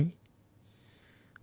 mục đích của tôi là